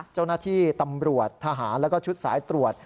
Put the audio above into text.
เจ้าหน้าที่ตำรวจทหารแล้วก็ชุดสายตรวจ